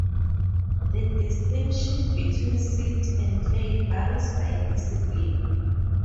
The distinction between silt and clay varies by discipline.